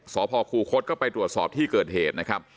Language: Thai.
สพคูคศก็ไปตรวจสอบที่เกิดเหตุนะครับ